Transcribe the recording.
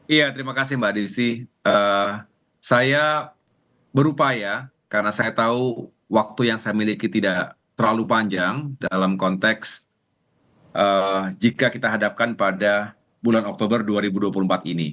iya terima kasih mbak desi saya berupaya karena saya tahu waktu yang saya miliki tidak terlalu panjang dalam konteks jika kita hadapkan pada bulan oktober dua ribu dua puluh empat ini